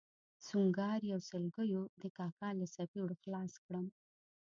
سونګاري او سلګیو د کاکا له څپېړو خلاص کړم.